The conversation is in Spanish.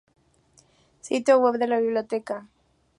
Sitio web de la biblioteca.